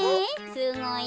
すごいね。